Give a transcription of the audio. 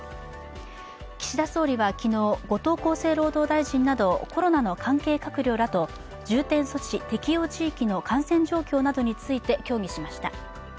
岸田総理は昨日、後藤厚生労働大臣などコロナの関係閣僚らと重点措置適用地域の感染状況などについて協議しました。